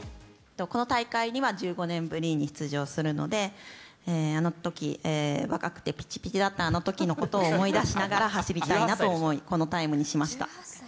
この大会には１５年ぶりに出場するので、あのとき、若くてぴちぴちだったあのときのことを思い出しながら走りたいなと思い、このタイムにしました。